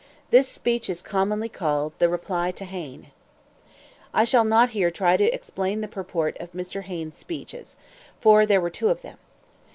This speech is commonly called, "The Reply to Hayne." I shall not here try to explain the purport of Mr. Hayne's speeches for there were two of them.